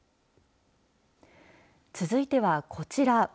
続いてはこちら。